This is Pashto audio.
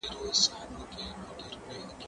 زه پرون ليکلي پاڼي ترتيب کوم،